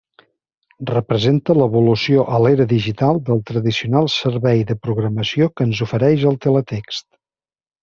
Representa l'evolució a l'era digital del tradicional servei de programació que ens ofereix el teletext.